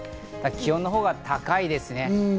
気温のほうが高いです。